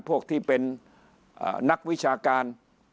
พวกที่เป็นนักวิชาการ